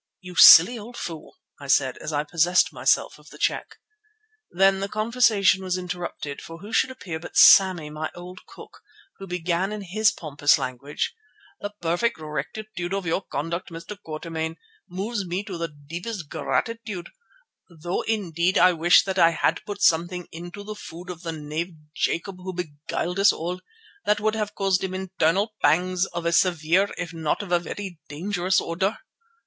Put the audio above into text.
"You silly old fool," I said as I possessed myself of the cheque. Then the conversation was interrupted, for who should appear but Sammy, my old cook, who began in his pompous language: "The perfect rectitude of your conduct, Mr. Quatermain, moves me to the deepest gratitude, though indeed I wish that I had put something into the food of the knave Jacob who beguiled us all, that would have caused him internal pangs of a severe if not of a dangerous order.